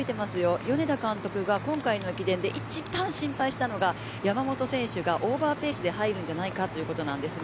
米田監督が今回の駅伝で一番心配したのが山本選手がオーバーペースで入るのではないかということなんですね。